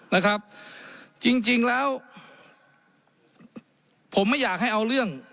นะครับจริงจริงแล้วผมไม่อยากให้เอาเรื่อง